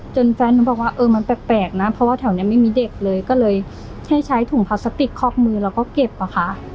แฟนหนูบอกว่าเออมันแปลกนะเพราะว่าแถวนี้ไม่มีเด็กเลยก็เลยให้ใช้ถุงพลาสติกคอกมือแล้วก็เก็บอะค่ะ